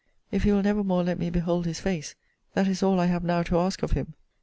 If he will never more let me behold his face, that is all I have now to ask of him.